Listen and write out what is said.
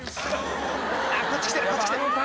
こっち来てるこっち来てる！